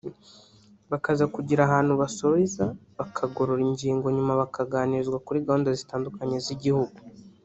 bakaza kugira ahantu basoreza bakagorora ingingo nyuma bakaganirizwa kuri gahunda zitandukanye z’igihugu